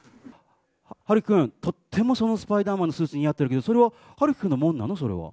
陽喜くん、とってもそのスパイダーマンのスーツ、似合ってるけど、それは陽喜くんのものなの？